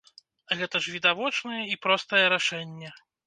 Гэта ж відавочнае і простае рашэнне.